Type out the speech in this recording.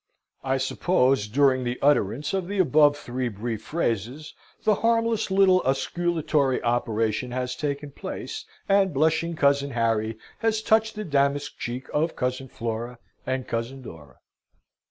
I suppose, during the utterance of the above three brief phrases, the harmless little osculatory operation has taken place, and blushing cousin Harry has touched the damask cheek of cousin Flora and cousin Dora.